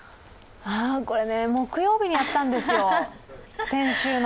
これ、木曜日にやったんですよ、先週の。